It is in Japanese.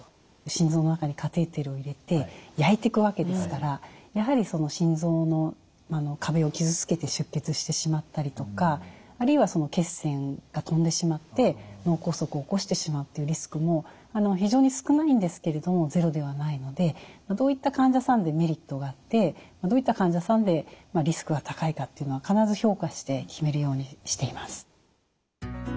心臓の中にカテーテルを入れて焼いていくわけですからやはり心臓の壁を傷つけて出血してしまったりとかあるいは血栓が飛んでしまって脳梗塞を起こしてしまうというリスクも非常に少ないんですけれどもゼロではないのでどういった患者さんでメリットがあってどういった患者さんでリスクが高いかというのは必ず評価して決めるようにしています。